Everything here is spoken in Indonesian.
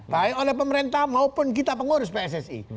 baik oleh pemerintah maupun kita pengurus pssi